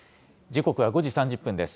時刻は５時３０分です。